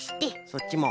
そっちも。